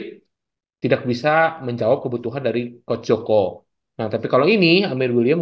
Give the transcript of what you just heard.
secara pace secara speed tidak bisa menjawab kebutuhan dari coach joko nah tapi kalau ini amir william